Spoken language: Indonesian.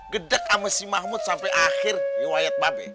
gedek sama si mahmud sampe akhir riwayat babeh